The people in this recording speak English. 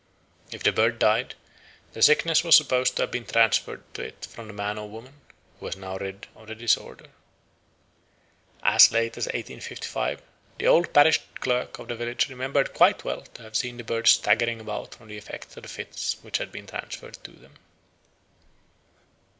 If the bird died, the sickness was supposed to have been transferred to it from the man or woman, who was now rid of the disorder. As late as 1855 the old parish clerk of the village remembered quite well to have seen the birds staggering about from the effects of the fits which had been transferred to them.